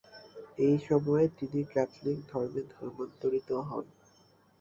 এই সময়েই তিনি ক্যাথলিক ধর্মে ধর্মান্তরিত হন।